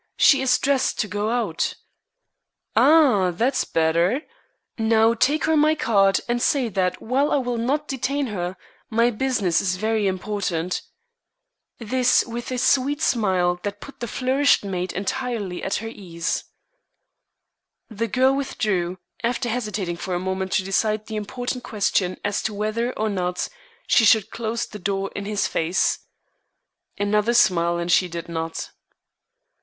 She is dressed to go out." "Ah! that's better. Now, take her my card, and say that while I will not detain her, my business is very important." This with a sweet smile that put the flurried maid entirely at her ease. The girl withdrew, after hesitating for a moment to decide the important question as to whether or not she should close the door in his face. Another smile, and she did not.